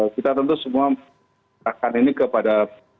kita tentu semua arahkan ini kepada